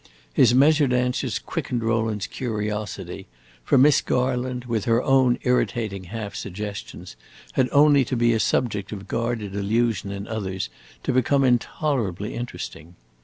His measured answers quickened Rowland's curiosity, for Miss Garland, with her own irritating half suggestions, had only to be a subject of guarded allusion in others to become intolerably interesting.